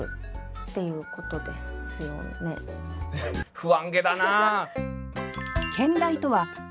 不安げだな。